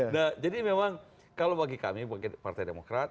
nah jadi memang kalau bagi kami bagi partai demokrat